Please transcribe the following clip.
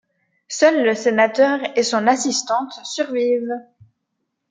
Seul le sénateur et son assistante survivent.